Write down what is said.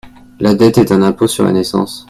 La dette est un impôt sur la naissance.